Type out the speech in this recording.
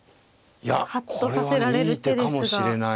いやこれはいい手かもしれない。